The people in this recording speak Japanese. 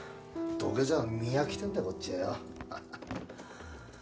土下座見飽きてんだこっちはよ。